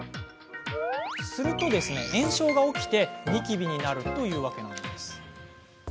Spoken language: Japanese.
すると炎症が起こりニキビになるというわけです。